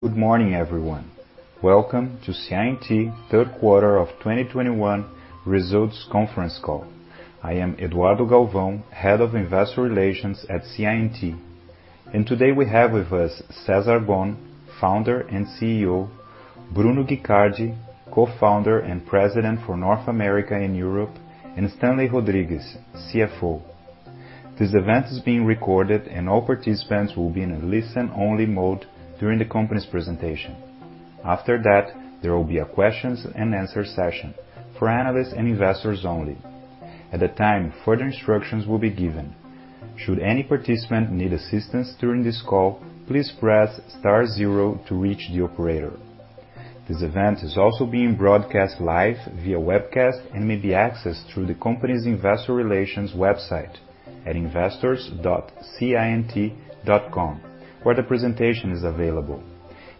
Good morning, everyone. Welcome to CI&T third quarter of 2021 results conference call. I am Eduardo Galvão, Head of Investor Relations at CI&T. Today we have with us Cesar Gon, Founder and CEO, Bruno Guicardi, Co-Founder and President for North America and Europe, and Stanley Rodrigues, CFO. This event is being recorded, and all participants will be in a listen only mode during the company's presentation. After that, there will be a questions and answer session for analysts and investors only. At that time, further instructions will be given. Should any participant need assistance during this call, please press star zero to reach the operator. This event is also being broadcast live via webcast and may be accessed through the company's investor relations website at investors.ciandt.com, where the presentation is available.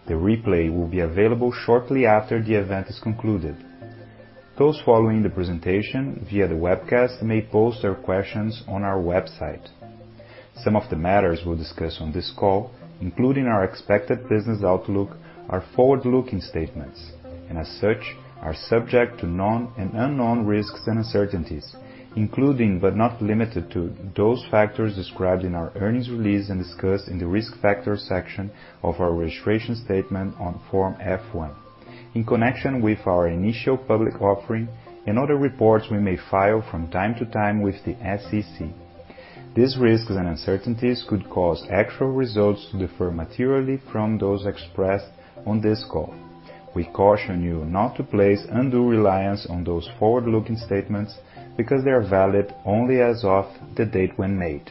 The replay will be available shortly after the event is concluded. Those following the presentation via the webcast may pose their questions on our website. Some of the matters we'll discuss on this call, including our expected business outlook, are forward-looking statements and as such are subject to known and unknown risks and uncertainties, including, but not limited to those factors described in our earnings release and discussed in the Risk Factors section of our registration statement on Form F-1 in connection with our initial public offering and other reports we may file from time to time with the SEC. These risks and uncertainties could cause actual results to differ materially from those expressed on this call. We caution you not to place undue reliance on those forward-looking statements because they are valid only as of the date when made.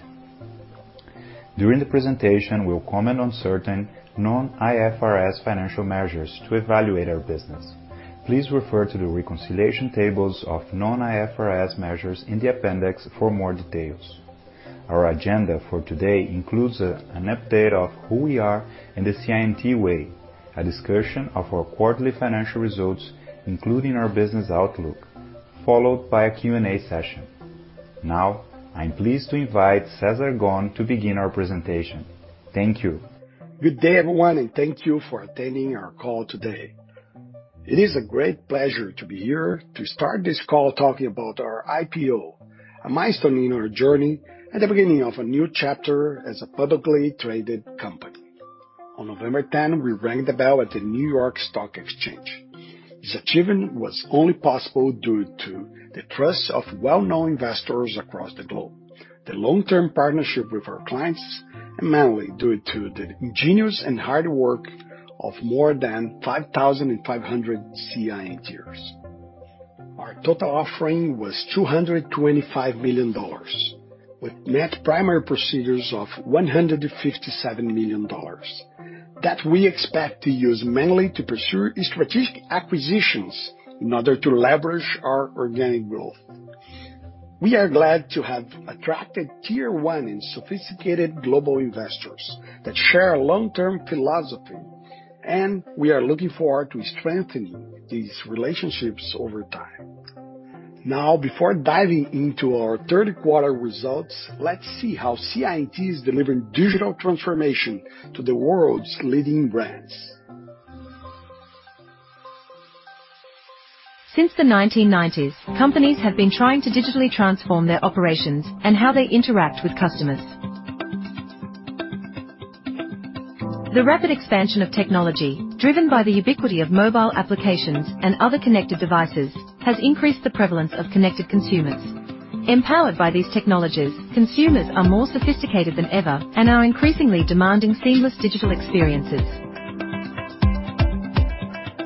During the presentation, we'll comment on certain non-IFRS financial measures to evaluate our business. Please refer to the reconciliation tables of non-IFRS measures in the appendix for more details. Our agenda for today includes an update of who we are and the CI&T way, a discussion of our quarterly financial results, including our business outlook, followed by a Q&A session. Now I'm pleased to invite Cesar Gon to begin our presentation. Thank you. Good day, everyone, and thank you for attending our call today. It is a great pleasure to be here to start this call talking about our IPO, a milestone in our journey and the beginning of a new chapter as a publicly traded company. On November 10, we rang the bell at the New York Stock Exchange. This achievement was only possible due to the trust of well-known investors across the globe, the long-term partnership with our clients, and mainly due to the ingenious and hard work of more than 5,500 CI&Ters. Our total offering was $225 million with net primary proceeds of $157 million that we expect to use mainly to pursue strategic acquisitions in order to leverage our organic growth. We are glad to have attracted tier one and sophisticated global investors that share a long-term philosophy, and we are looking forward to strengthening these relationships over time. Now, before diving into our third quarter results, let's see how CI&T is delivering digital transformation to the world's leading brands. Since the 1990s, companies have been trying to digitally transform their operations and how they interact with customers. The rapid expansion of technology, driven by the ubiquity of mobile applications and other connected devices, has increased the prevalence of connected consumers. Empowered by these technologies, consumers are more sophisticated than ever and are increasingly demanding seamless digital experiences.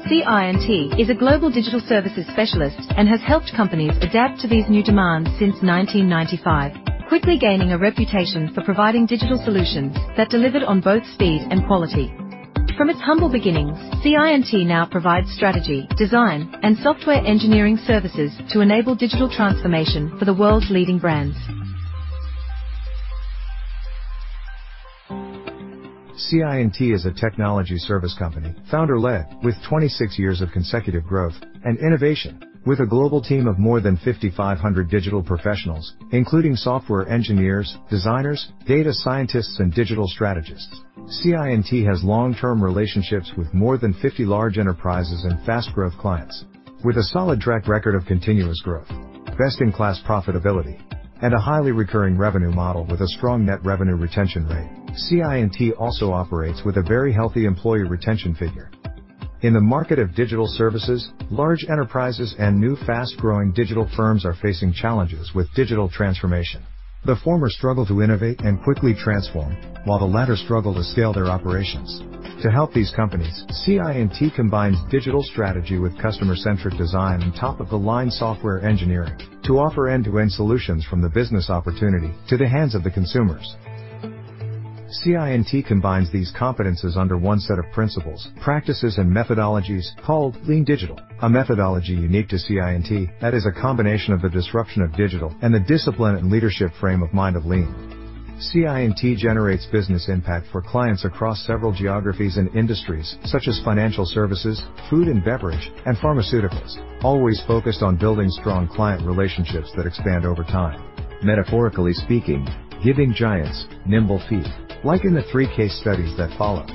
CI&T is a global digital services specialist and has helped companies adapt to these new demands since 1995, quickly gaining a reputation for providing digital solutions that delivered on both speed and quality. From its humble beginnings, CI&T now provides strategy, design, and software engineering services to enable digital transformation for the world's leading brands. CI&T is a technology service company, founder-led with 26 years of consecutive growth and innovation with a global team of more than 5,500 digital professionals, including software engineers, designers, data scientists, and digital strategists. CI&T has long-term relationships with more than 50 large enterprises and fast-growth clients with a solid track record of continuous growth, best-in-class profitability, and a highly recurring revenue model with a strong net revenue retention rate. CI&T also operates with a very healthy employee retention figure. In the market of digital services, large enterprises and new fast-growing digital firms are facing challenges with digital transformation. The former struggle to innovate and quickly transform, while the latter struggle to scale their operations. To help these companies, CI&T combines digital strategy with customer-centric design and top-of-the-line software engineering to offer end-to-end solutions from the business opportunity to the hands of the consumers. CI&T combines these competencies under one set of principles, practices, and methodologies called Lean Digital, a methodology unique to CI&T that is a combination of the disruption of digital and the discipline and leadership frame of mind of Lean. CI&T generates business impact for clients across several geographies and industries such as financial services, food and beverage, and pharmaceuticals, always focused on building strong client relationships that expand over time. Metaphorically speaking, giving giants nimble feet, like in the three case studies that follow.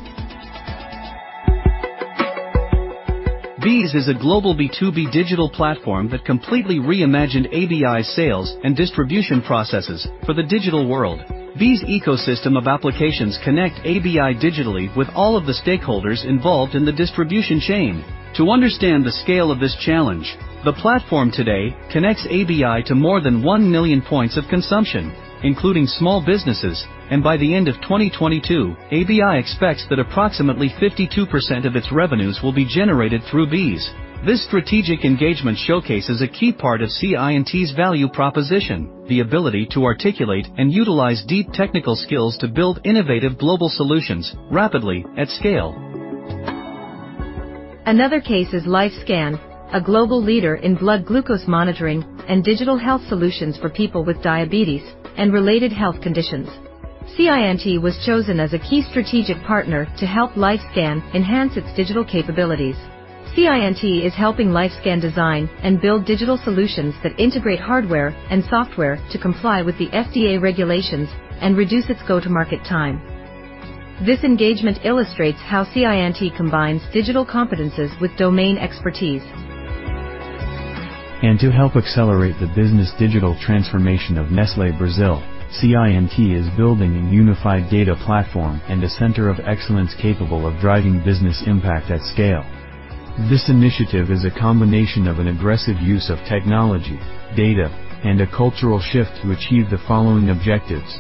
BEES is a global B2B digital platform that completely reimagined ABI's sales and distribution processes for the digital world. BEES' ecosystem of applications connect ABI digitally with all of the stakeholders involved in the distribution chain. To understand the scale of this challenge, the platform today connects ABI to more than 1 million points of consumption, including small businesses. By the end of 2022, ABI expects that approximately 52% of its revenues will be generated through BEES. This strategic engagement showcases a key part of CI&T's value proposition, the ability to articulate and utilize deep technical skills to build innovative global solutions rapidly at scale. Another case is LifeScan, a global leader in blood glucose monitoring and digital health solutions for people with diabetes and related health conditions. CI&T was chosen as a key strategic partner to help LifeScan enhance its digital capabilities. CI&T is helping LifeScan design and build digital solutions that integrate hardware and software to comply with the FDA regulations and reduce its go-to-market time. This engagement illustrates how CI&T combines digital competencies with domain expertise. To help accelerate the business digital transformation of Nestlé Brazil, CI&T is building a unified data platform and a center of excellence capable of driving business impact at scale. This initiative is a combination of an aggressive use of technology, data, and a cultural shift to achieve the following objectives.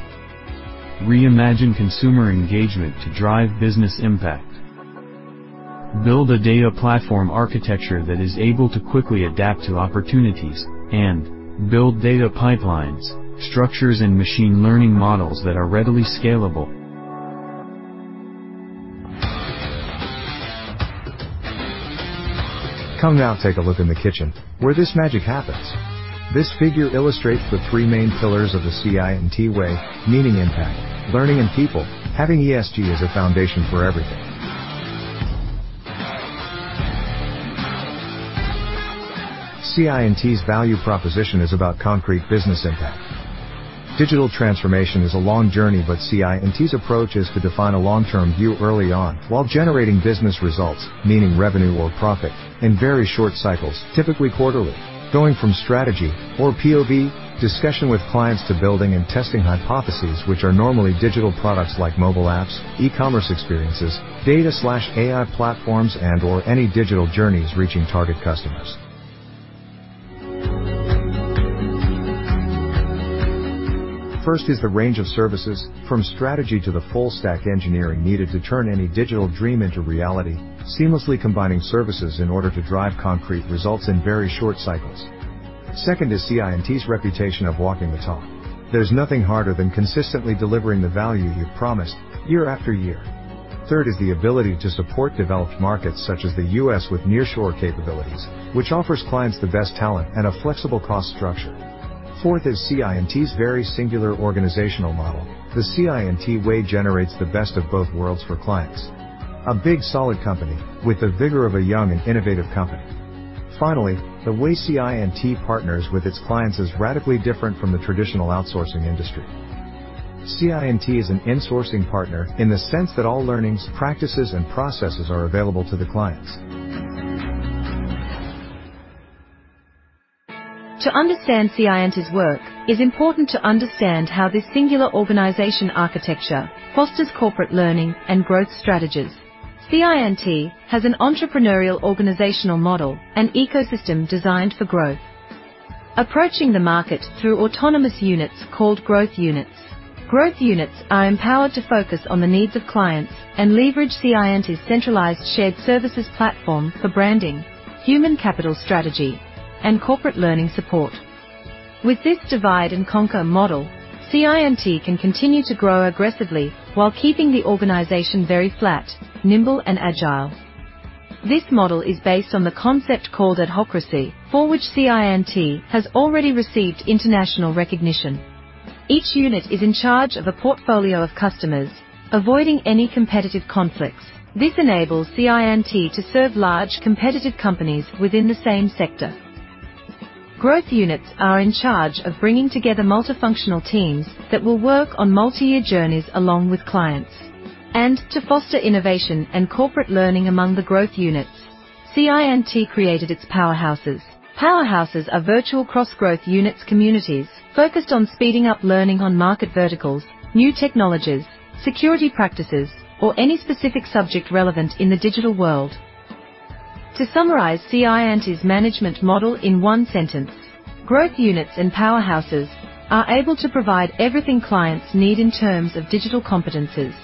Reimagine consumer engagement to drive business impact. Build a data platform architecture that is able to quickly adapt to opportunities. Build data pipelines, structures, and machine learning models that are readily scalable. Come now take a look in the kitchen where this magic happens. This figure illustrates the three main pillars of the CI&T way, meaning impact, learning, and people, having ESG as a foundation for everything. CI&T's value proposition is about concrete business impact. Digital transformation is a long journey, but CI&T's approach is to define a long-term view early on while generating business results, meaning revenue or profit, in very short cycles, typically quarterly. Going from strategy or POV discussion with clients to building and testing hypotheses, which are normally digital products like mobile apps, e-commerce experiences, data/AI platforms, and/or any digital journeys reaching target customers. First is the range of services from strategy to the full stack engineering needed to turn any digital dream into reality, seamlessly combining services in order to drive concrete results in very short cycles. Second is CI&T's reputation of walking the talk. There's nothing harder than consistently delivering the value you've promised year after year. Third is the ability to support developed markets such as the U.S. with nearshore capabilities, which offers clients the best talent and a flexible cost structure. Fourth is CI&T's very singular organizational model. The CI&T way generates the best of both worlds for clients, a big, solid company with the vigor of a young and innovative company. Finally, the way CI&T partners with its clients is radically different from the traditional outsourcing industry. CI&T is an insourcing partner in the sense that all learnings, practices, and processes are available to the clients. To understand CI&T's work, it's important to understand how this singular organization architecture fosters corporate learning and growth strategies. CI&T has an entrepreneurial organizational model and ecosystem designed for growth, approaching the market through autonomous units called Growth Units. Growth Units are empowered to focus on the needs of clients and leverage CI&T's centralized shared services platform for branding, human capital strategy, and corporate learning support. With this divide and conquer model, CI&T can continue to grow aggressively while keeping the organization very flat, nimble, and agile. This model is based on the concept called adhocracy, for which CI&T has already received international recognition. Each unit is in charge of a portfolio of customers, avoiding any competitive conflicts. This enables CI&T to serve large competitive companies within the same sector. Growth Units are in charge of bringing together multifunctional teams that will work on multi-year journeys along with clients. To foster innovation and corporate learning among the Growth Units, CI&T created its Powerhouses. Powerhouses are virtual cross-Growth Units communities focused on speeding up learning on market verticals, new technologies, security practices, or any specific subject relevant in the digital world. To summarize CI&T's management model in one sentence, Growth Units and Powerhouses are able to provide everything clients need in terms of digital competencies,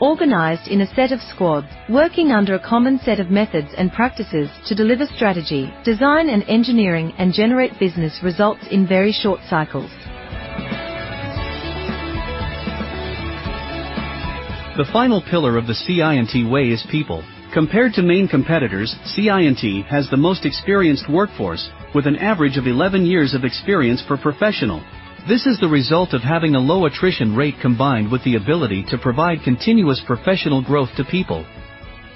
organized in a set of squads working under a common set of methods and practices to deliver strategy, design, and engineering, and generate business results in very short cycles. The final pillar of the CI&T way is people. Compared to main competitors, CI&T has the most experienced workforce with an average of 11 years of experience per professional. This is the result of having a low attrition rate combined with the ability to provide continuous professional growth to people.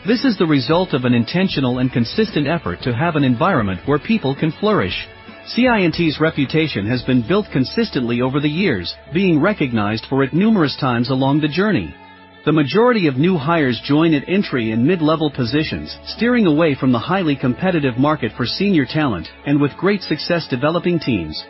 This is the result of an intentional and consistent effort to have an environment where people can flourish. CI&T's reputation has been built consistently over the years, being recognized for it numerous times along the journey. The majority of new hires join at entry and mid-level positions, steering away from the highly competitive market for senior talent and with great success developing teams.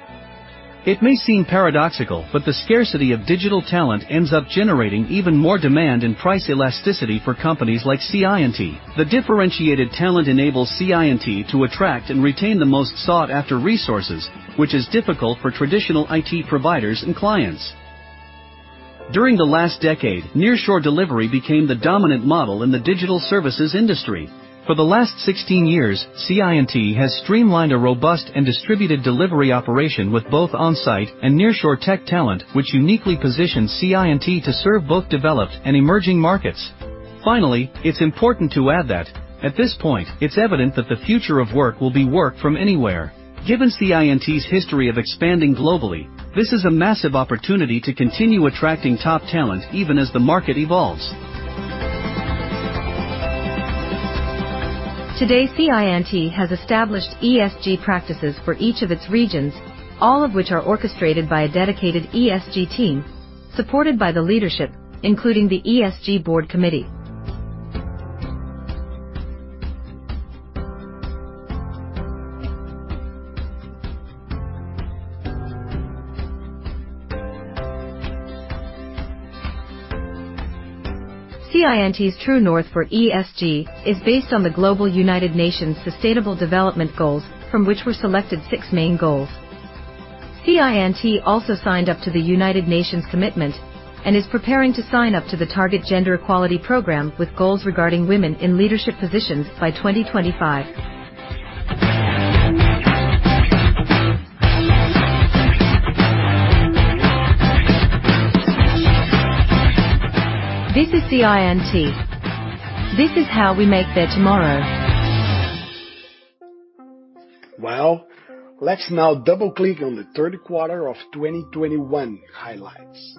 It may seem paradoxical, but the scarcity of digital talent ends up generating even more demand and price elasticity for companies like CI&T. The differentiated talent enables CI&T to attract and retain the most sought-after resources, which is difficult for traditional IT providers and clients. During the last decade, nearshore delivery became the dominant model in the digital services industry. For the last 16 years, CI&T has streamlined a robust and distributed delivery operation with both on-site and nearshore tech talent, which uniquely positions CI&T to serve both developed and emerging markets. Finally, it's important to add that at this point, it's evident that the future of work will be work from anywhere. Given CI&T's history of expanding globally, this is a massive opportunity to continue attracting top talent even as the market evolves. Today, CI&T has established ESG practices for each of its regions, all of which are orchestrated by a dedicated ESG team supported by the leadership, including the ESG board committee. CI&T's true north for ESG is based on the United Nations Sustainable Development Goals from which were selected six main goals. CI&T also signed up to the United Nations commitment and is preparing to sign up to the Target Gender Equality program with goals regarding women in leadership positions by 2025. This is CI&T. This is how we make their tomorrow. Well, let's now double-click on the third quarter of 2021 highlights.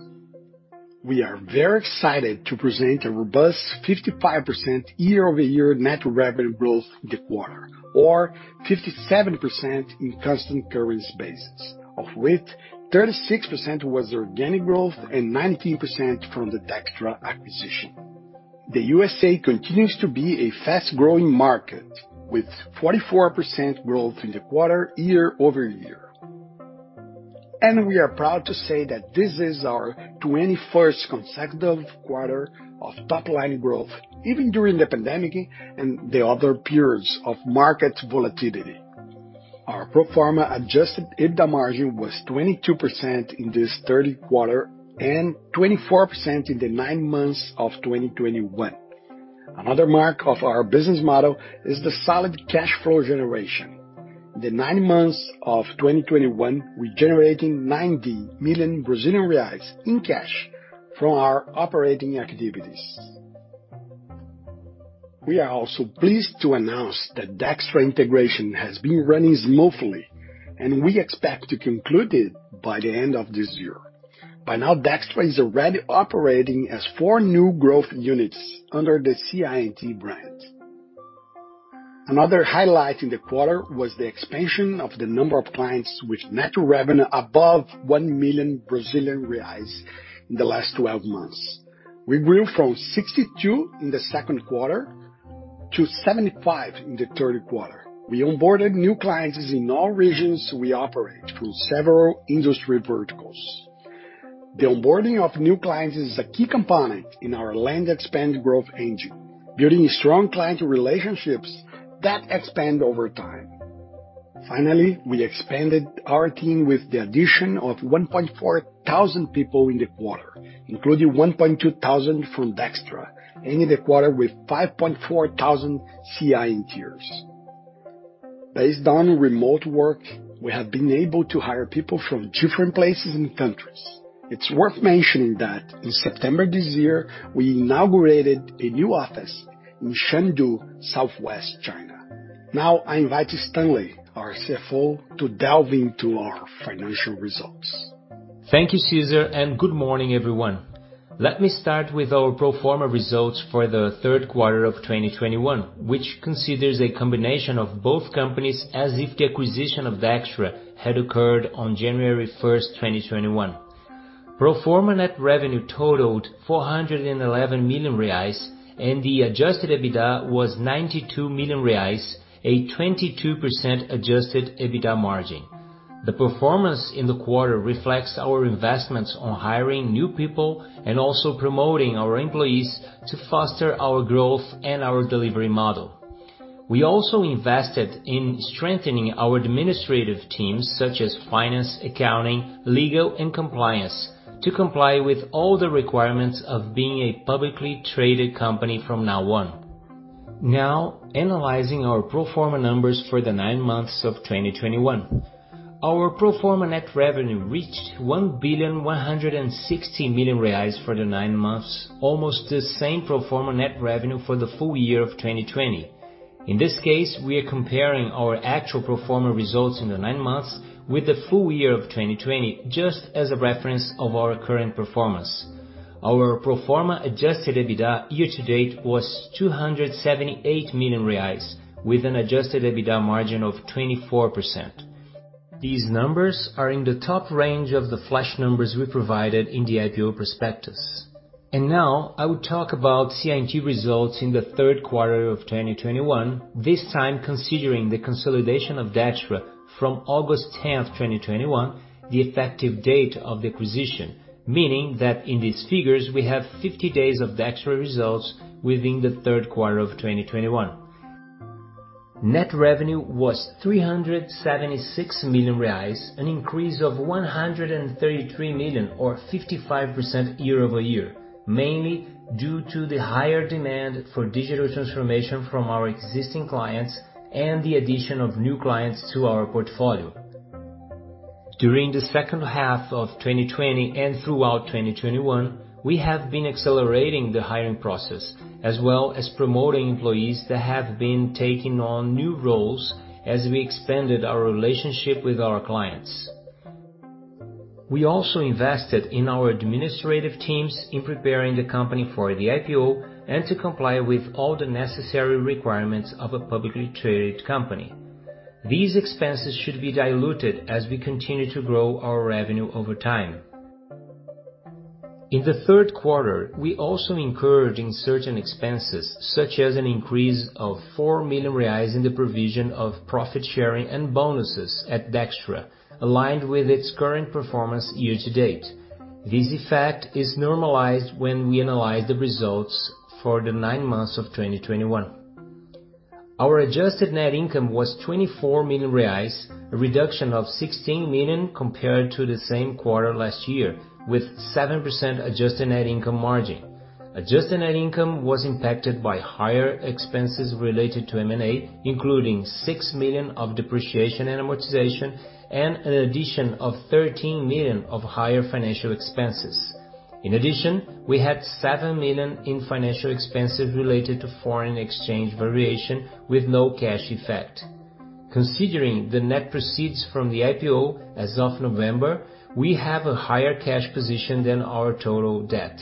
We are very excited to present a robust 55% year-over-year net revenue growth in the quarter, or 57% in constant currency basis. Of which 36% was organic growth and 19% from the Dextra acquisition. The U.S.A continues to be a fast-growing market with 44% growth in the quarter year over year. We are proud to say that this is our 21st consecutive quarter of top-line growth, even during the pandemic and the other periods of market volatility. Our pro forma adjusted EBITDA margin was 22% in this third quarter and 24% in the nine months of 2021. Another mark of our business model is the solid cash flow generation. The nine months of 2021, we generating 90 million Brazilian reais in cash from our operating activities. We are also pleased to announce that Dextra integration has been running smoothly, and we expect to conclude it by the end of this year. By now, Dextra is already operating as four new Growth Units under the CI&T brand. Another highlight in the quarter was the expansion of the number of clients with net revenue above 1 million Brazilian reais in the last 12 months. We grew from 62 in the second quarter to 75 in the third quarter. We onboarded new clients in all regions we operate from several industry verticals. The onboarding of new clients is a key component in our land and expand growth engine, building strong client relationships that expand over time. Finally, we expanded our team with the addition of 1,400 people in the quarter, including 1,200 from Dextra, ending the quarter with 5,400 CI&Ters. Based on remote work, we have been able to hire people from different places and countries. It's worth mentioning that in September this year, we inaugurated a new office in Chengdu, Southwest China. Now, I invite Stanley, our CFO, to delve into our financial results. Thank you, Cesar, and good morning, everyone. Let me start with our pro forma results for the third quarter of 2021, which considers a combination of both companies as if the acquisition of Dextra had occurred on January 1, 2021. Pro forma net revenue totaled 411 million reais, and the adjusted EBITDA was 92 million reais, a 22% adjusted EBITDA margin. The performance in the quarter reflects our investments on hiring new people and also promoting our employees to foster our growth and our delivery model. We also invested in strengthening our administrative teams such as finance, accounting, legal, and compliance to comply with all the requirements of being a publicly traded company from now on. Now, analyzing our pro forma numbers for the nine months of 2021. Our pro forma net revenue reached 1,160 million reais for the nine months, almost the same pro forma net revenue for the full year of 2020. In this case, we are comparing our actual pro forma results in the nine months with the full year of 2020, just as a reference of our current performance. Our pro forma adjusted EBITDA year to date was 278 million reais with an adjusted EBITDA margin of 24%. These numbers are in the top range of the flash numbers we provided in the IPO prospectus. Now I will talk about CI&T results in the third quarter of 2021, this time considering the consolidation of Dextra from August 10, 2021, the effective date of the acquisition. Meaning that in these figures, we have 50 days of Dextra results within the third quarter of 2021. Net revenue was 376 million reais, an increase of 133 million or 55% year-over-year, mainly due to the higher demand for digital transformation from our existing clients and the addition of new clients to our portfolio. During the second half of 2020 and throughout 2021, we have been accelerating the hiring process as well as promoting employees that have been taking on new roles as we expanded our relationship with our clients. We also invested in our administrative teams in preparing the company for the IPO and to comply with all the necessary requirements of a publicly traded company. These expenses should be diluted as we continue to grow our revenue over time. In the third quarter, we also incurred certain expenses, such as an increase of 4 million reais in the provision of profit sharing and bonuses at Dextra, aligned with its current performance year to date. This effect is normalized when we analyze the results for the nine months of 2021. Our adjusted net income was 24 million reais, a reduction of 16 million compared to the same quarter last year, with 7% adjusted net income margin. Adjusted net income was impacted by higher expenses related to M&A, including 6 million of depreciation and amortization and an addition of 13 million of higher financial expenses. In addition, we had 7 million in financial expenses related to foreign exchange variation with no cash effect. Considering the net proceeds from the IPO as of November, we have a higher cash position than our total debt.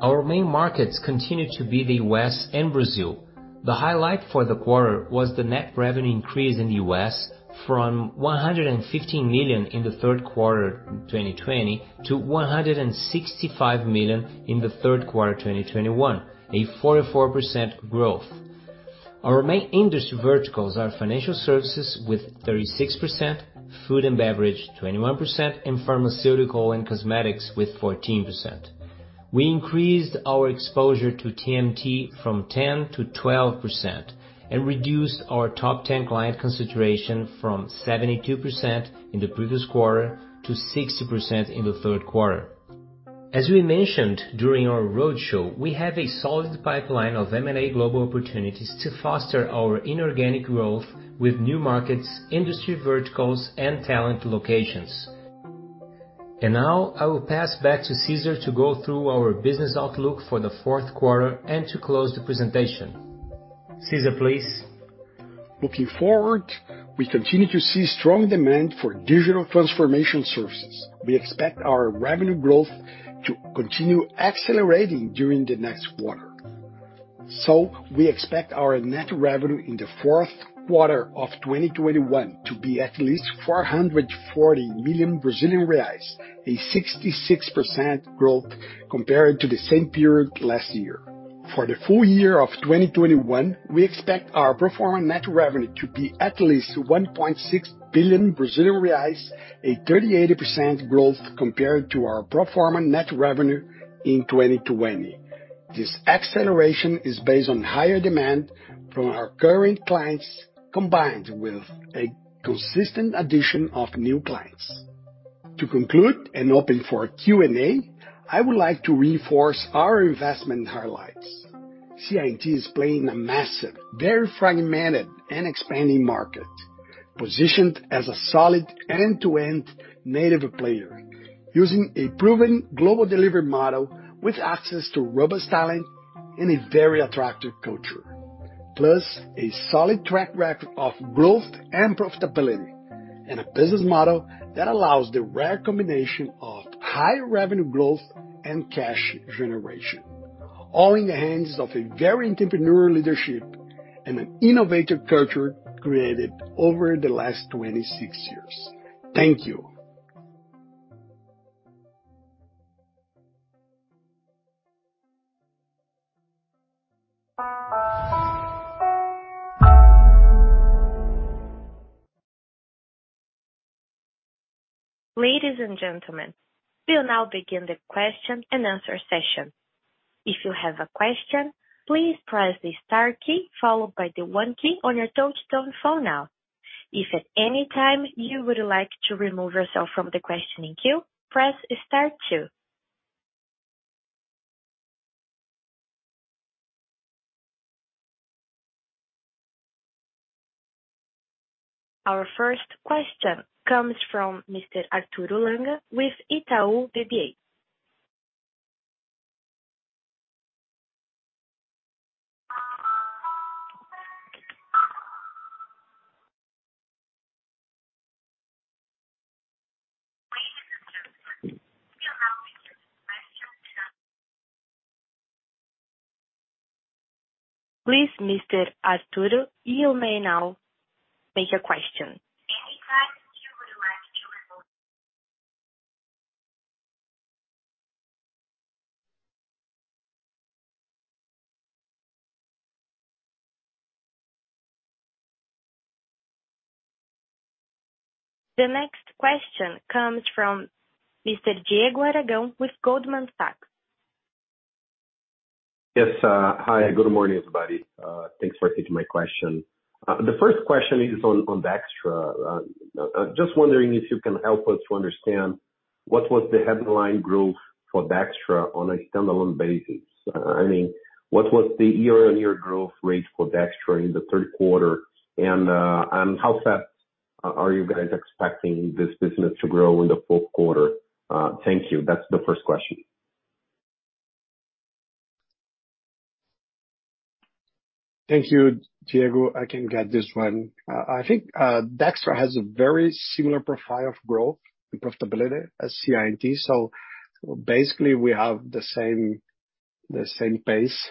Our main markets continue to be the U.S. and Brazil. The highlight for the quarter was the net revenue increase in the U.S. from $150 million in the third quarter 2020 to $165 million in the third quarter 2021, a 44% growth. Our main industry verticals are financial services with 36%, food and beverage 21%, and pharmaceutical and cosmetics with 14%. We increased our exposure to TMT from 10%-12% and reduced our top ten client concentration from 72% in the previous quarter to 60% in the third quarter. As we mentioned during our roadshow, we have a solid pipeline of M&A global opportunities to foster our inorganic growth with new markets, industry verticals, and talent locations. Now I will pass back to Cesar to go through our business outlook for the fourth quarter and to close the presentation. Cesar, please. Looking forward, we continue to see strong demand for digital transformation services. We expect our revenue growth to continue accelerating during the next quarter. We expect our net revenue in the fourth quarter of 2021 to be at least 440 million Brazilian reais, a 66% growth compared to the same period last year. For the full year of 2021, we expect our pro forma net revenue to be at least 1.6 billion Brazilian reais, a 38% growth compared to our pro forma net revenue in 2020. This acceleration is based on higher demand from our current clients, combined with a consistent addition of new clients. To conclude and open for Q&A, I would like to reinforce our investment highlights. CI&T is playing in a massive, very fragmented, and expanding market, positioned as a solid end-to-end native player using a proven global delivery model with access to robust talent and a very attractive culture. Plus, a solid track record of growth and profitability and a business model that allows the rare combination of high revenue growth and cash generation, all in the hands of a very entrepreneurial leadership and an innovative culture created over the last 26 years. Thank you. Ladies and gentlemen, we'll now begin the question and answer session. If you have a question, please press the star key followed by the one key on your touchtone phone now. If at any time you would like to remove yourself from the questioning queue, press star two. Our first question comes from Mr. Arturo Langa with Itaú BBA. Please, Mr. Arturo, you may now make your question. Anytime you would like to report. The next question comes from Mr. Diego Aragão with Goldman Sachs. Yes. Hi, good morning, everybody. Thanks for taking my question. The first question is on Dextra. Just wondering if you can help us to understand what was the headline growth for Dextra on a standalone basis. I mean, what was the year-on-year growth rate for Dextra in the third quarter? How fast are you guys expecting this business to grow in the fourth quarter? Thank you. That's the first question. Thank you, Diego. I can get this one. I think Dextra has a very similar profile of growth and profitability as CI&T. Basically we have the same pace.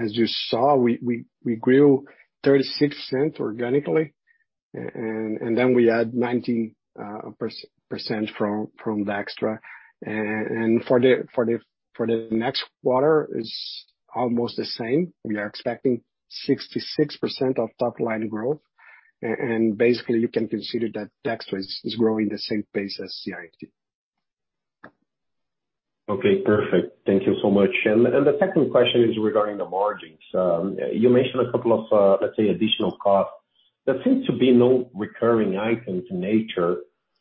As you saw, we grew 36% organically, and then we add 19% from Dextra. For the next quarter is almost the same. We are expecting 66% of top line growth. Basically you can consider that Dextra is growing the same pace as CI&T. Okay, perfect. Thank you so much. The second question is regarding the margins. You mentioned a couple of, let's say, additional costs. There seems to be no recurring items in nature.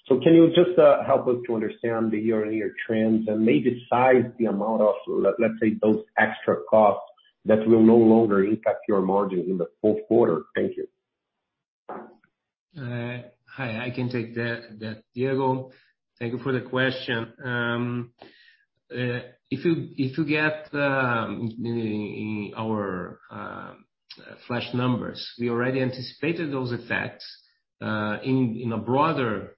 Can you just help us to understand the year-on-year trends and maybe size the amount of, let's say, those extra costs that will no longer impact your margins in the fourth quarter? Thank you. Hi. I can take that, Diego. Thank you for the question. If you get our flash numbers, we already anticipated those effects in a broader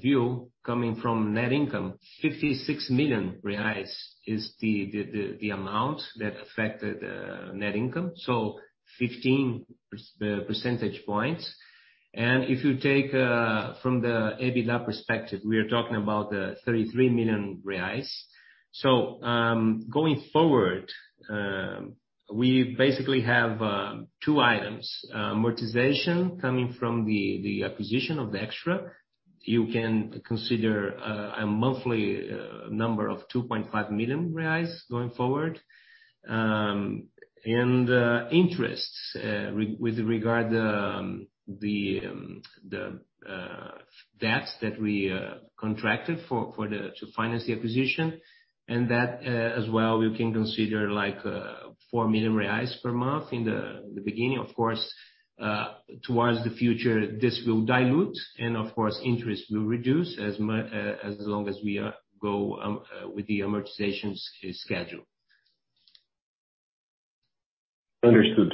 view coming from net income. 56 million reais is the amount that affected net income, so 15 percentage points. If you take from the EBITDA perspective, we are talking about the 33 million reais. Going forward, we basically have two items, amortization coming from the acquisition of Dextra. You can consider a monthly number of 2.5 million reais going forward. Interests with regard to the debts that we contracted to finance the acquisition, and that as well we can consider like 4 million reais per month in the beginning. Of course, toward the future, this will dilute and of course interest will reduce as long as we go with the amortization schedule. Understood.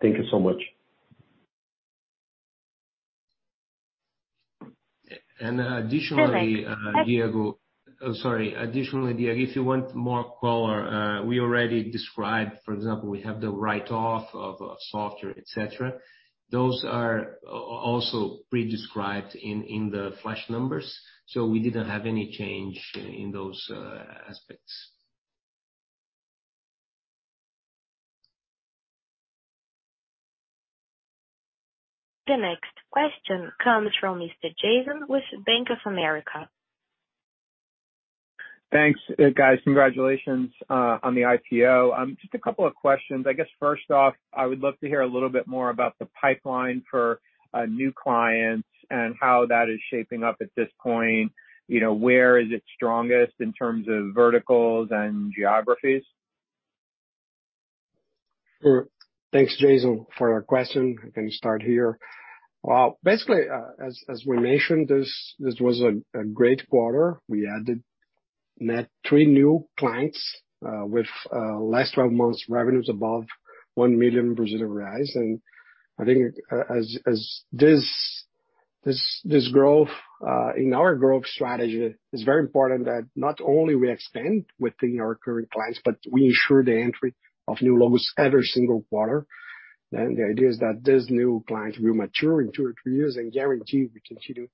Thank you so much. A-and additionally- Perfect. Diego. Sorry. Additionally, Diego, if you want more color, we already described, for example, we have the write-off of software, et cetera. Those are also pre-described in the flash numbers. We didn't have any change in those aspects. The next question comes from Mr. Jason with Bank of America. Thanks, guys. Congratulations on the IPO. Just a couple of questions. I guess first off, I would love to hear a little bit more about the pipeline for new clients and how that is shaping up at this point. You know, where is it strongest in terms of verticals and geographies? Sure. Thanks, Jason, for your question. I can start here. Well, basically, as we mentioned, this was a great quarter. We added net three new clients with last 12 months revenues above 1 million Brazilian reais. I think as this growth in our growth strategy, it's very important that not only we expand within our current clients, but we ensure the entry of new logos every single quarter. The idea is that these new clients will mature in two or three years and guarantee we continue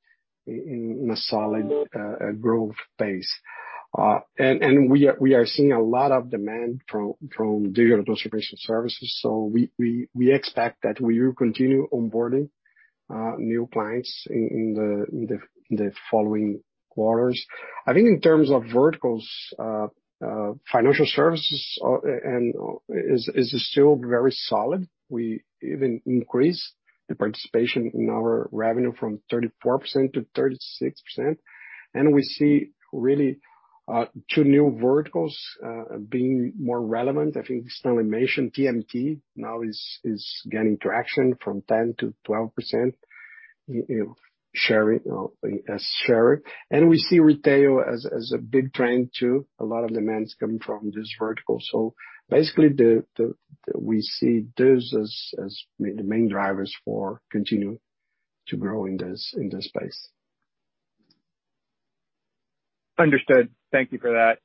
in a solid growth pace. We are seeing a lot of demand from digital distribution services. We expect that we will continue onboarding new clients in the following quarters. I think in terms of verticals, financial services and it is still very solid. We even increased the participation in our revenue from 34% to 36%. We see really two new verticals being more relevant. TMT now is getting traction from 10%-12%, you know, as a share. We see retail as a big trend too. A lot of demands coming from this vertical. Basically we see this as the main drivers for continuing to grow in this space. Understood. Thank you for that.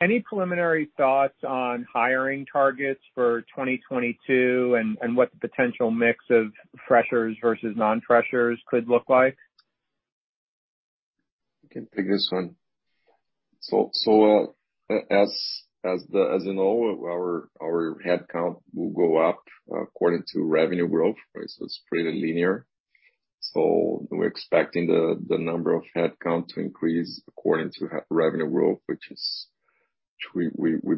Any preliminary thoughts on hiring targets for 2022 and what the potential mix of freshers versus non-freshers could look like? I can take this one. As you know, our headcount will go up according to revenue growth. Right? It's pretty linear. We're expecting the number of headcount to increase according to revenue growth, which we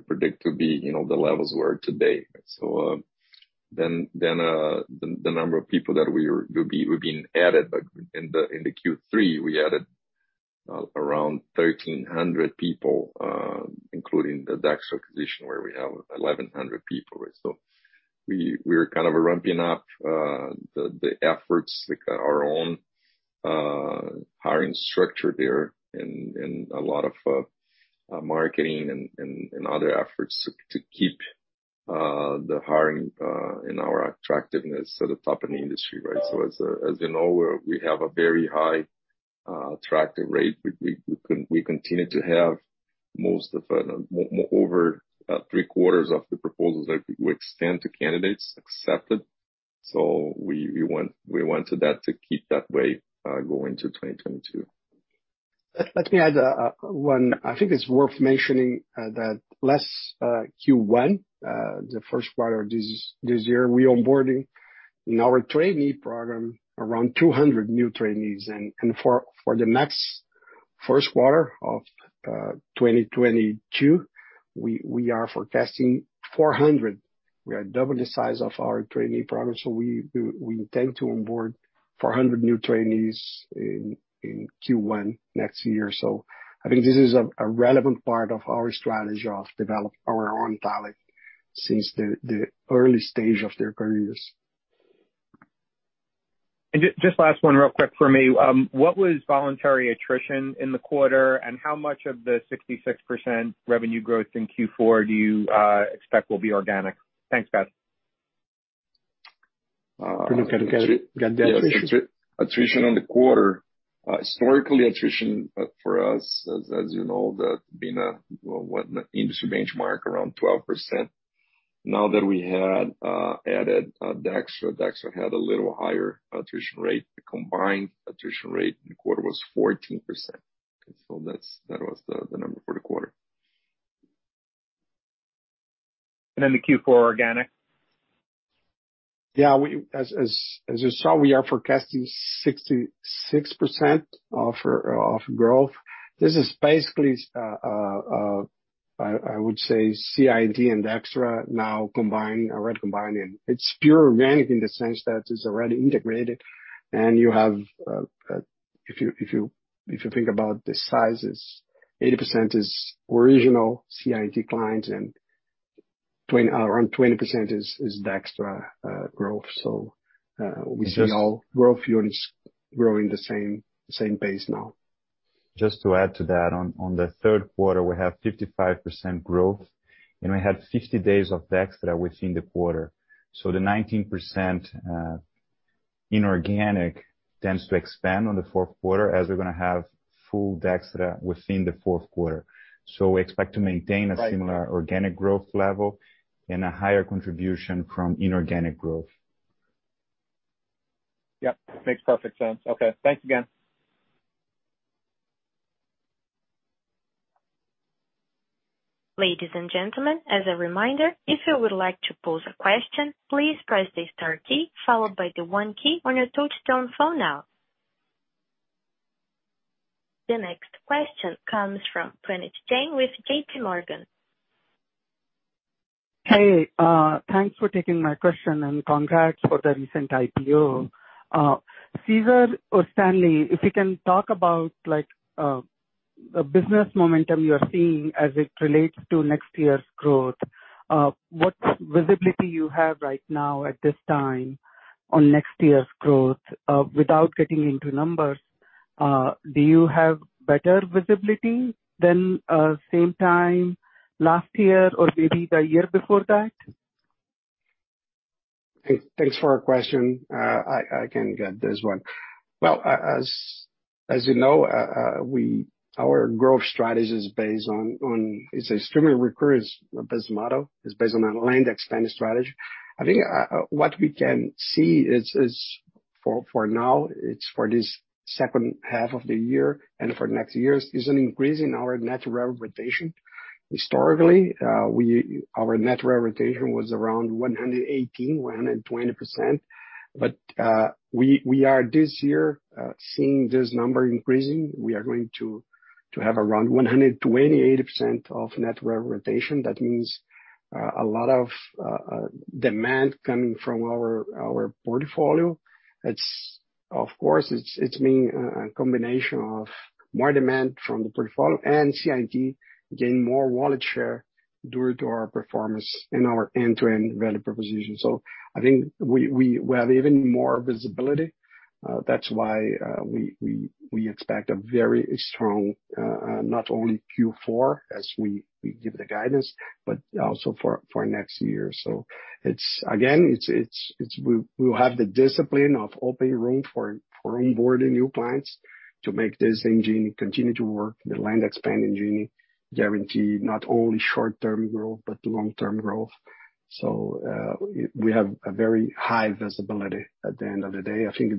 predict to be, you know, the levels we have today. The number of people that will be added. In Q3 we added around 1,300 people, including the Dextra acquisition, where we have 1,100 people, right? We're kind of ramping up the efforts, like our own hiring structure there and a lot of marketing and other efforts to keep the hiring and our attractiveness at the top of the industry, right? As you know, we have a very high attractive rate. We continue to have most of over three quarters of the proposals that we extend to candidates accepted. We wanted that to keep that way, going into 2022. Let me add one. I think it's worth mentioning that last Q1, the first quarter of this year, we onboarded in our trainee program around 200 new trainees. For the next first quarter of 2022, we are forecasting 400. We are double the size of our trainee program. We intend to onboard 400 new trainees in Q1 next year. I think this is a relevant part of our strategy to develop our own talent since the early stage of their careers. Just last one real quick for me. What was voluntary attrition in the quarter, and how much of the 66% revenue growth in Q4 do you expect will be organic? Thanks, guys. Uh. Attrition for the quarter. Historically, attrition for us, as you know, that's the industry benchmark around 12%. Now that we had added Dextra had a little higher attrition rate. The combined attrition rate in the quarter was 14%. That was the number for the quarter. The Q4 organic. Yeah. As you saw, we are forecasting 66% growth. This is basically, I would say, CI&T and Dextra now already combining. It's pure organic in the sense that it's already integrated. You have, if you think about the sizes, 80% is original CI&T clients and around 20% is Dextra growth. We see now Growth Units growing the same pace now. Just to add to that. On the third quarter, we have 55% growth, and we had 60 days of Dextra within the quarter. The 19% inorganic tends to expand on the fourth quarter as we're gonna have full Dextra within the fourth quarter. We expect to maintain a similar organic growth level and a higher contribution from inorganic growth. Yep, makes perfect sense. Okay, thanks again. Ladies and gentlemen, as a reminder, if you would like to pose a question, please press the star key followed by the one key on your touchtone phone now. The next question comes from Puneet Jain with JPMorgan. Hey, thanks for taking my question and congrats for the recent IPO. Cesar or Stanley, if you can talk about like, the business momentum you are seeing as it relates to next year's growth. What visibility you have right now at this time on next year's growth? Without getting into numbers, do you have better visibility than same time last year or maybe the year before that? Thanks for your question. I can get this one. Well, as you know, our growth strategy is based on. It's an extremely recurring business model. It's based on a land-and-expand strategy. I think what we can see is for now, it's for this second half of the year and for next year is an increase in our net revenue retention. Historically, our net revenue retention was around 118%-120%. We are this year seeing this number increasing. We are going to have around 128% of net revenue retention. That means a lot of demand coming from our portfolio. Of course, it's been a combination of more demand from the portfolio and CI&T gain more wallet share due to our performance and our end-to-end value proposition. I think we have even more visibility. That's why we expect a very strong, not only Q4 as we give the guidance, but also for next year. We have the discipline of opening room for onboarding new clients to make this engine continue to work. The land expansion engine guarantee not only short-term growth but long-term growth. We have a very high visibility at the end of the day. I think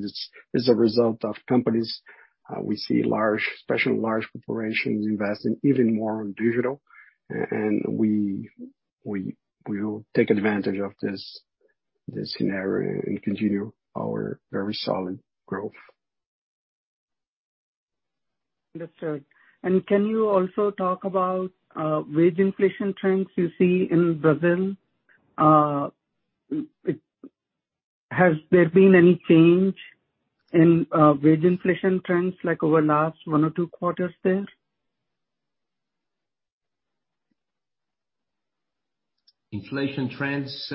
it's a result of companies we see, especially large corporations investing even more in digital. We will take advantage of this scenario and continue our very solid growth. Understood. Can you also talk about wage inflation trends you see in Brazil? Has there been any change in wage inflation trends like over the last one or two quarters there? Inflation trends,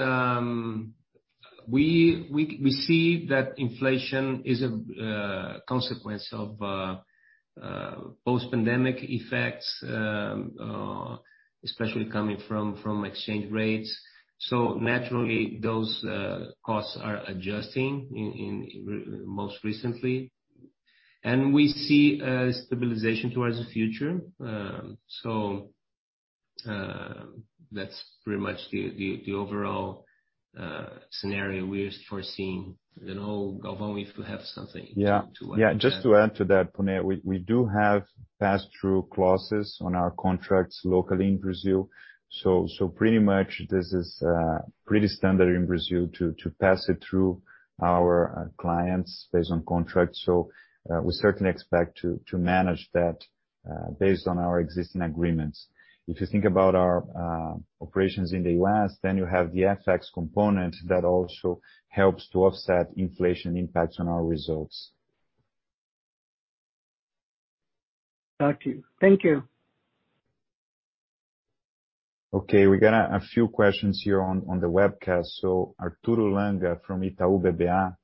we see that inflation is a consequence of post-pandemic effects, especially coming from exchange rates. Naturally, those costs are adjusting in most recently. We see a stabilization towards the future. That's pretty much the overall scenario we're foreseeing. I don't know, Galvao, if you have something to add. Yeah. Just to add to that, Puneet, we do have pass-through clauses on our contracts locally in Brazil. Pretty much this is pretty standard in Brazil to pass it to our clients based on contracts. We certainly expect to manage that based on our existing agreements. If you think about our operations in the U.S., then you have the FX component that also helps to offset inflation impacts on our results. Got you. Thank you. Okay, we got a few questions here on the webcast. Arturo Langa from Itaú BBA.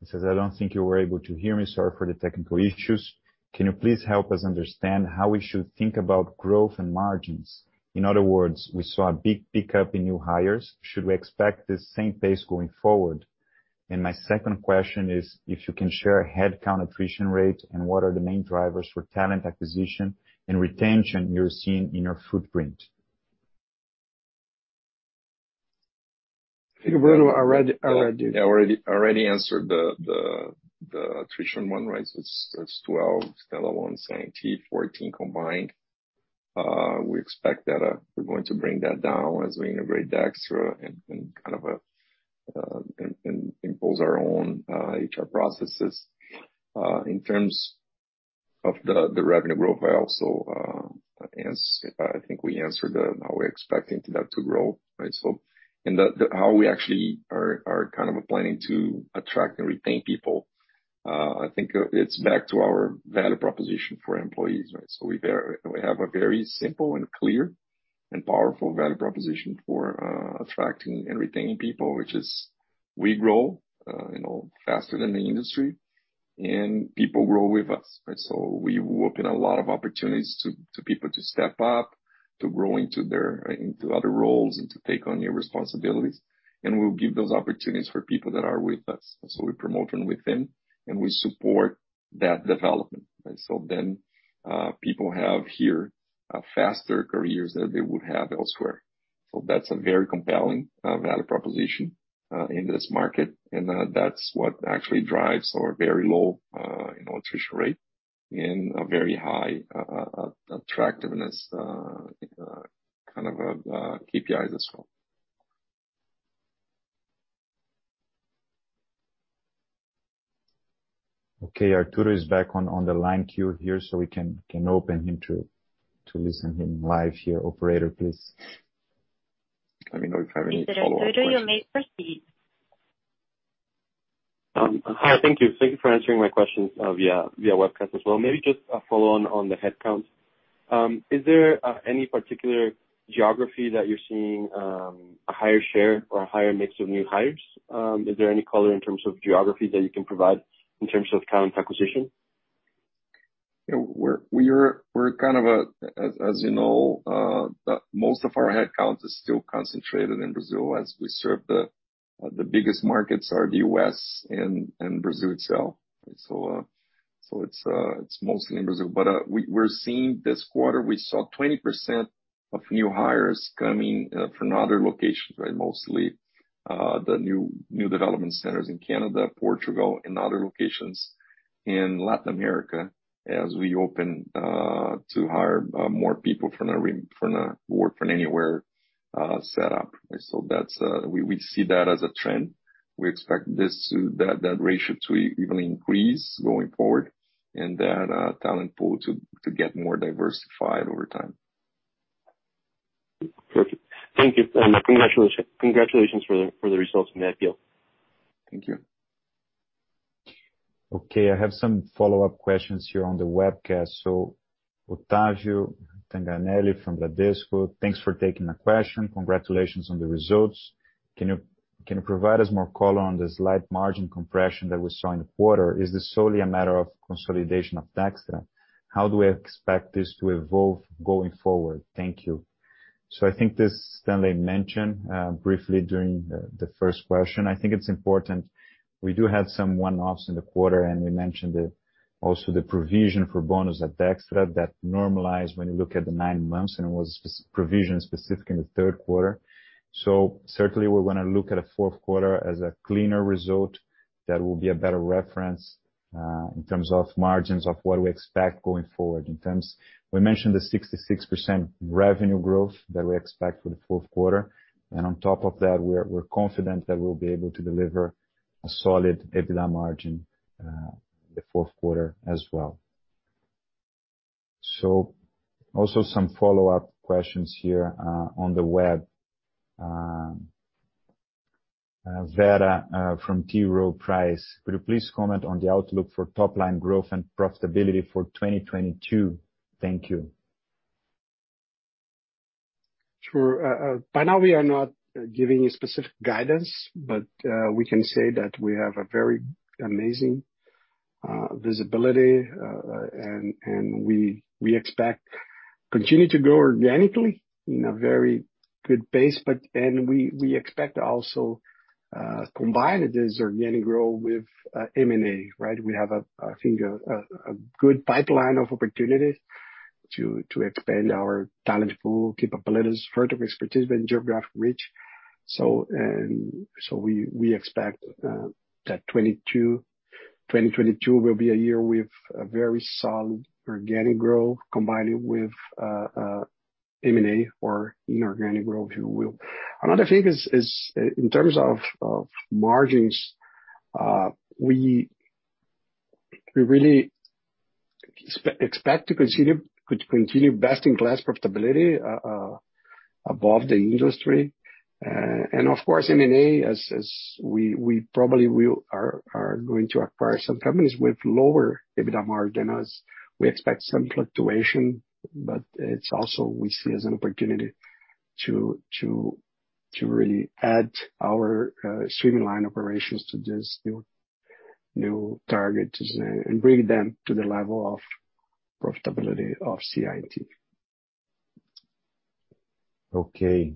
He says, "I don't think you were able to hear me, sorry for the technical issues. Can you please help us understand how we should think about growth and margins? In other words, we saw a big pickup in new hires. Should we expect the same pace going forward? And my second question is if you can share headcount attrition rate and what are the main drivers for talent acquisition and retention you're seeing in your footprint? I think Roberto already did. Yeah. I already answered the attrition one, right? It's 12% standalone, 17%, 14% combined. We expect that we're going to bring that down as we integrate Dextra and kind of impose our own HR processes. In terms of the revenue growth, I also think we answered how we're expecting that to grow, right? The how we actually are kind of planning to attract and retain people, I think it's back to our value proposition for employees, right? We have a very simple and clear and powerful value proposition for attracting and retaining people, which is we grow, you know, faster than the industry and people grow with us, right? We open a lot of opportunities to people to step up, to grow into their other roles and to take on new responsibilities. We'll give those opportunities for people that are with us. We promote from within, and we support that development, right? People have here faster careers than they would have elsewhere. That's a very compelling value proposition in this market. That's what actually drives our very low, you know, attrition rate and a very high attractiveness kind of KPI as well. Okay. Arturo is back on the line queue here, so we can open him to listen live here. Operator, please. Let me know if you have any follow-up questions. Mr. Arturo Langa, you may proceed. Hi. Thank you. Thank you for answering my questions via webcast as well. Maybe just a follow-on on the headcount. Is there any particular geography that you're seeing a higher share or a higher mix of new hires? Is there any color in terms of geography that you can provide in terms of talent acquisition? We're kind of, as you know, most of our headcount is still concentrated in Brazil as we serve the biggest markets are the U.S. and Brazil itself. It's mostly in Brazil. We're seeing this quarter, we saw 20% of new hires coming from other locations, right? Mostly the new development centers in Canada, Portugal and other locations in Latin America as we open to hire more people from a work from anywhere setup. We see that as a trend. We expect that ratio to even increase going forward and that talent pool to get more diversified over time. Perfect. Thank you. Congratulations for the results in that field. Thank you. Okay, I have some follow-up questions here on the webcast. Otavio Tanganelli from Bradesco. Thanks for taking the question. Congratulations on the results. Can you provide us more color on the slight margin compression that we saw in the quarter? Is this solely a matter of consolidation of Dextra? How do we expect this to evolve going forward? Thank you. I think this Stanley mentioned briefly during the first question. I think it's important. We do have some one-offs in the quarter, and we mentioned the Also the provision for bonus at Dextra that normalized when you look at the nine months and was spec-provision specific in the third quarter. Certainly we're gonna look at a fourth quarter as a cleaner result that will be a better reference in terms of margins of what we expect going forward. In terms, we mentioned the 66% revenue growth that we expect for the fourth quarter. On top of that we're confident that we'll be able to deliver a solid EBITDA margin the fourth quarter as well. Also some follow-up questions here on the web. Vera from T. Rowe Price: "Could you please comment on the outlook for top line growth and profitability for 2022? Thank you. Sure. By now we are not giving you specific guidance, but we can say that we have a very amazing visibility. We expect to continue to grow organically in a very good pace, but we expect also to combine this organic growth with M&A, right? We have, I think, a good pipeline of opportunities to expand our talent pool capabilities, vertical expertise, and geographic reach. We expect that 2022 will be a year with a very solid organic growth combined with M&A or inorganic growth, if you will. Another thing is in terms of margins, we really expect to continue best-in-class profitability above the industry. Of course M&A as we probably are going to acquire some companies with lower EBITDA margin as we expect some fluctuation, but it's also, we see as an opportunity to really add our streamline operations to this new target and bring them to the level of profitability of CI&T. Okay.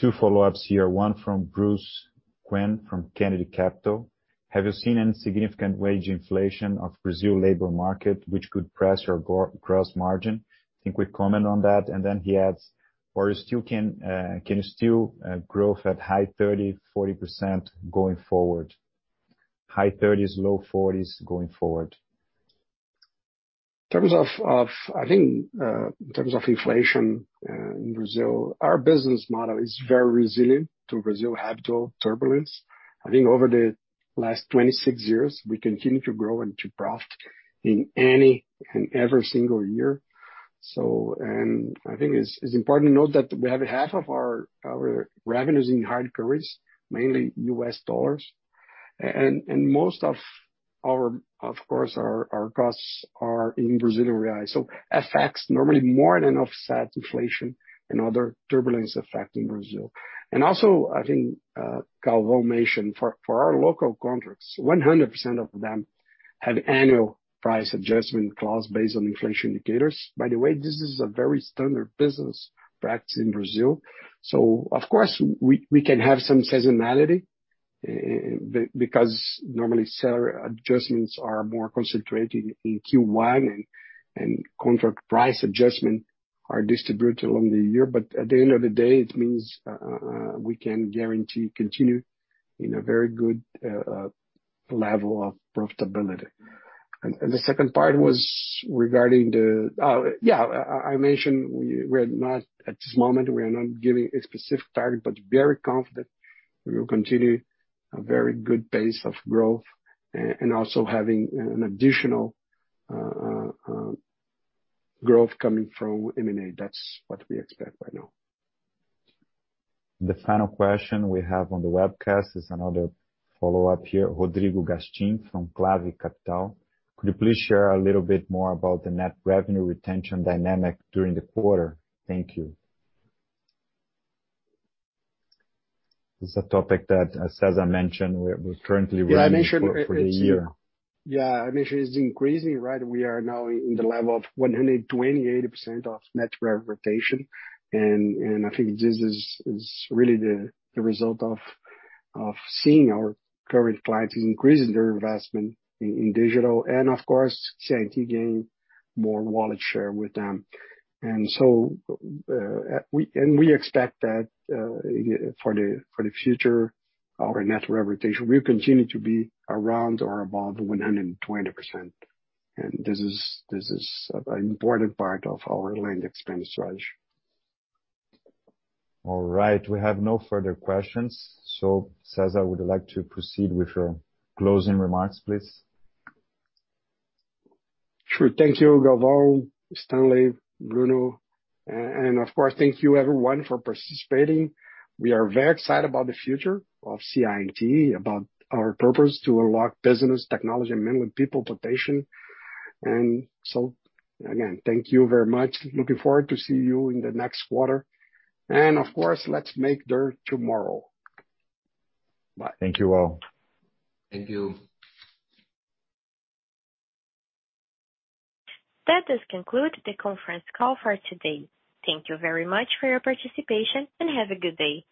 Two follow-ups here, one from Bruce Quinn from Kennedy Capital: "Have you seen any significant wage inflation of Brazil labor market which could press your gross margin?" Think we'd comment on that. He adds, "Or you still can you still growth at high 30%, 40% going forward? High 30s, low 40s going forward. In terms of inflation in Brazil, our business model is very resilient to Brazil's habitual turbulence. I think over the last 26 years, we continue to grow and to profit in any and every single year. I think it's important to note that we have half of our revenues in hard currencies, mainly U.S. dollars. Most of our costs are in Brazilian real. FX normally more than offset inflation and other turbulence effect in Brazil. I think Galvao mentioned for our local contracts, 100% of them have annual price adjustment clause based on inflation indicators. By the way, this is a very standard business practice in Brazil. Of course we can have some seasonality because normally seller adjustments are more concentrated in Q1 and contract price adjustment are distributed along the year. At the end of the day, it means we can guarantee continue in a very good level of profitability. The second part was regarding the. Yeah. I mentioned we're not, at this moment, we are not giving a specific target, but very confident we will continue a very good pace of growth and also having an additional growth coming from M&A. That's what we expect right now. The final question we have on the webcast is another follow-up here. Rodrigo Gastim from Clave Capital: "Could you please share a little bit more about the net revenue retention dynamic during the quarter? Thank you." It's a topic that Cesar mentioned we're currently waiting for the year. Yeah. I mentioned it's increasing, right? We are now in the level of 128% of net rev retention. I think this is really the result of seeing our current clients increasing their investment in digital and of course CI&T gain more wallet share with them. We expect that for the future, our net rev retention will continue to be around or above 120%. This is an important part of our land-and-expand strategy. All right. We have no further questions. Cesar, would you like to proceed with your closing remarks, please? Sure. Thank you, Galvao, Stanley, Bruno, and of course thank you everyone for participating. We are very excited about the future of CI&T, about our purpose to unlock business technology and million people potential. Again, thank you very much. Looking forward to see you in the next quarter. Of course, let's make the tomorrow. Bye. Thank you all. Thank you. That does conclude the conference call for today. Thank you very much for your participation, and have a good day.